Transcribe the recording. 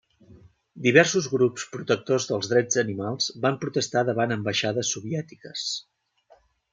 Diversos grups protectors dels drets animals van protestar davant ambaixades soviètiques.